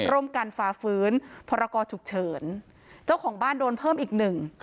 โรคการฝ่าฝืนโรคการพลาดโรคการฝ่าฝืนเจ้าของบ้านโดนเพิ่มอีกหนึ่ง